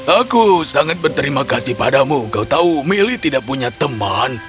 aku sangat berterima kasih padamu kau tahu milly tidak punya teman